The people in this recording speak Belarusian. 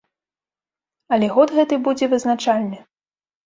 Але год гэты будзе вызначальны.